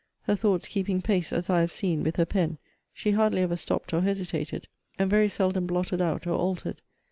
Her thoughts keeping pace, as I have seen, with her pen, she hardly ever stopped or hesitated; and very seldom blotted out, or altered.